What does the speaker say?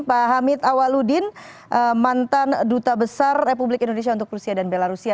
pak hamid awaludin mantan duta besar republik indonesia untuk rusia dan belarusia